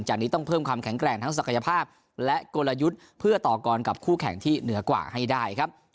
นี้ต้องเพิ่มความแข็งแกร่งทั้งศักยภาพและกลยุทธ์เพื่อต่อกรกับคู่แข่งที่เหนือกว่าให้ได้ครับ